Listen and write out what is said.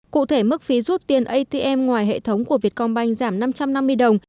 cụ thể mức phí rút tiền atm ngoài hệ thống của vietcombank giảm năm trăm năm mươi đồng